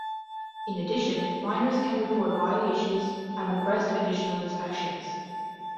In addition, miners can report violations, and request additional inspections.